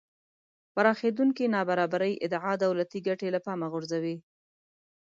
پراخېدونکې نابرابرۍ ادعا دولتی ګټې له پامه غورځوي